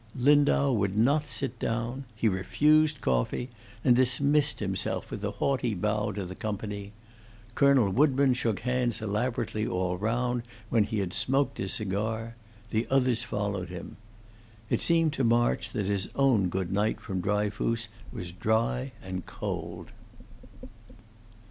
Landau would not sit down; he refused coffee, and dismissed himself with a haughty bow to the company; Colonel Woodburn shook hands elaborately all round, when he had smoked his cigar; the others followed him. It seemed to March that his own good night from Dryfoos was dry and cold.